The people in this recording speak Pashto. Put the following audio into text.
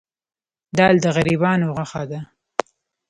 دال د غریبانو غوښه ده.